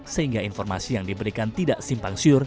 sehingga informasi yang diberikan tidak simpang siur